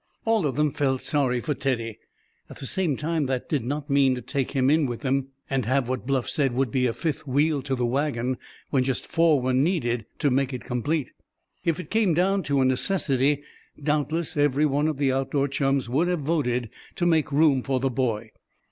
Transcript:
All of them felt sorry for Teddy. At the same time that did not mean to take him in with them, and have what Bluff said would be a "fifth wheel to the wagon, when just four were needed to make it complete." If it came down to a necessity doubtless every one of the outdoor chums would have voted to make room for the boy.